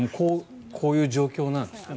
こういう状況なんですね。